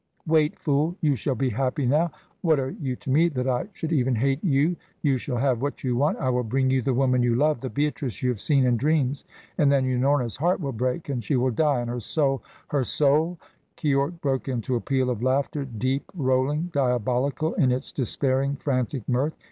Wait, fool! You shall be happy now. What are you to me that I should even hate you? You shall have what you want. I will bring you the woman you love, the Beatrice you have seen in dreams and then Unorna's heart will break and she will die, and her soul her soul " Keyork broke into a peal of laughter, deep, rolling, diabolical in its despairing, frantic mirth.